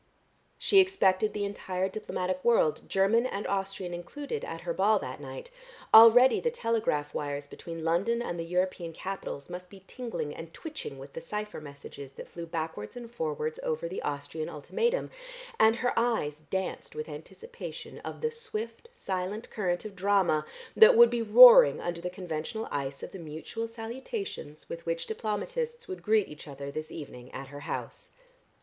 She expected the entire diplomatic world, German and Austrian included, at her ball that night; already the telegraph wires between London and the European capitals must be tingling and twitching with the cypher messages that flew backwards and forwards over the Austrian ultimatum, and her eyes danced with anticipation of the swift silent current of drama that would be roaring under the conventional ice of the mutual salutations with which diplomatists would greet each other this evening at her house.